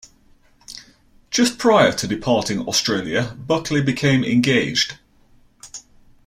Just prior to departing Australia, Buckley became engaged.